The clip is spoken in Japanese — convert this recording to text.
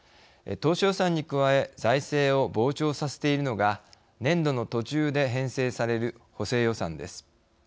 当初予算に加え財政を膨張させているのが年度の途中で編成される補正予算です。